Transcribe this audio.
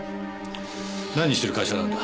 何してる会社なんだ？